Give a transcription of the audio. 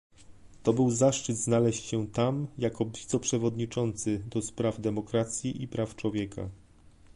To był zaszczyt znaleźć się tam jako wiceprzewodniczący do spraw demokracji i praw człowieka